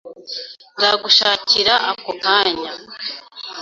Nzagushakira ako kanya.